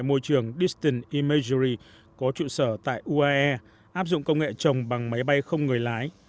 môi trường diston imaguri có trụ sở tại uae áp dụng công nghệ trồng bằng máy bay không người lái